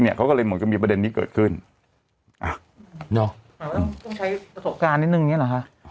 เนี้ยเขาก็เลยเหมือนกับมีประเด็นนี้เกิดขึ้นอ่ะเนอะหรือว่าต้องใช้ประสบการณ์นิดหนึ่งเนี้ยเหรอคะ